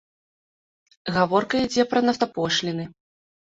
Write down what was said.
Гаворка ідзе пра нафтапошліны.